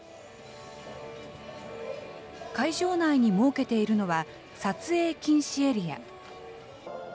会場内に設けているのは、撮影禁止エリア。